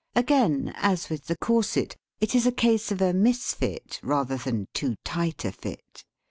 Again, as with the corset, it is a case of a misfit rather than too tight a fit.